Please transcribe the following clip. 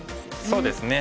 そうですね。